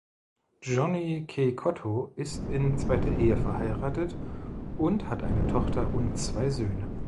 Johnny Cecotto ist in zweiter Ehe verheiratet und hat eine Tochter und zwei Söhne.